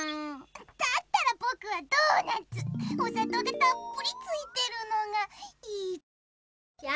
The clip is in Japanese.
だったらぼくはドーナツ！おさとうがたっぷりついてるのがいいじゃりー。